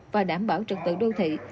và đảm bảo trật tự đô thị